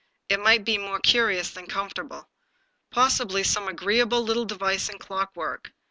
It might be more curious than comfortable. Possibly some agreeable little device in clockwork.